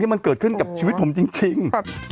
มันเกิดขึ้นกับชีวิตผมจริง